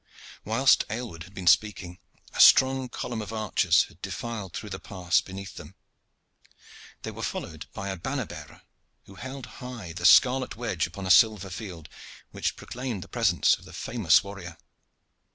Whilst Aylward had been speaking, a strong column of archers had defiled through the pass beneath them. They were followed by a banner bearer who held high the scarlet wedge upon a silver field which proclaimed the presence of the famous warrior.